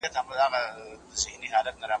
قمرۍ په ونې کې د خپلو بچو لپاره خوندي ځای لټاوه.